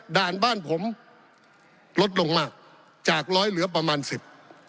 ด่านบ้านผมลดลงมากจากร้อยเหลือประมาณสิบ